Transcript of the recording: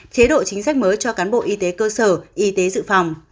chế độ chính sách mới cho cán bộ y tế cơ sở y tế dự phòng